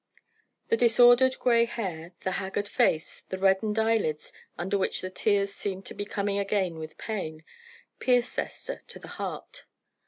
The disordered gray hair the haggard face the reddened eyelids under which the tears seemed to be coming again with pain, pierced Esther to the heart.